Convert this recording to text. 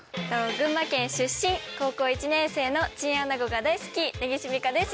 群馬県出身高校１年生のチンアナゴが大好き根岸実花です